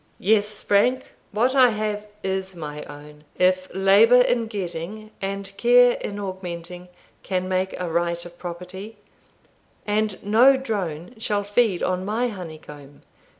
"Yes, Frank, what I have is my own, if labour in getting, and care in augmenting, can make a right of property; and no drone shall feed on my honeycomb.